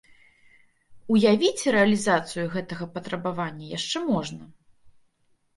Уявіць рэалізацыю гэтага патрабавання яшчэ можна.